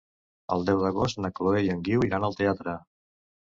El deu d'agost na Chloé i en Guiu iran al teatre.